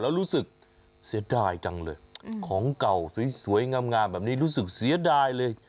แล้วรู้สึกเสียดายจังเลยของเก่าสวยงามแบบนี้รู้สึกเสียดายเลย